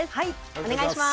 お願いします。